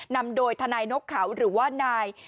นำโดยทนายนกเขาหรือว่านาย